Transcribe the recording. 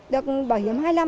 được bảo hiểm hai năm